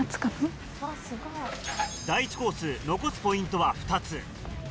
第１コース残すポイントは２つ。